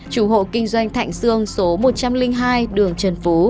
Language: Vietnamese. chủ hộ kinh doanh thạnh sương số một trăm linh hai đường trần phú